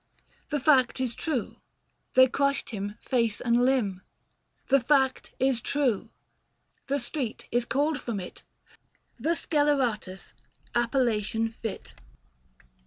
The fact is true ; they crushed him face and limb — 200 THE FASTI. Book VI. The fact is true : the street is called from it The Sceleratus, appellation fit.